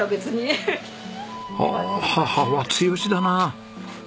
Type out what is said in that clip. おお母は強しだな。